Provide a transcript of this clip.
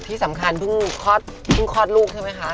ที่สำคัญพึ่งคลอดลูกใช่มั้ยคะ